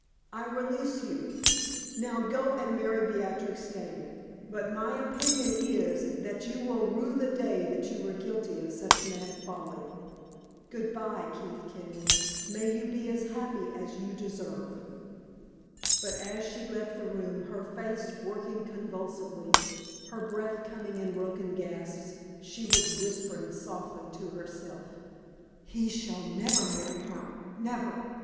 I release you! Now, go and marry Beatrix Dane; but my opinion is, that you will rue the day that you were guilty of such mad folly! Good bye, Keith Kenyon, may you be as happy as you deserve!" But as she left the room, her face working convulsively, her breath coming in broken gasps, she was whispering softly to herself: "He shall never marry her never!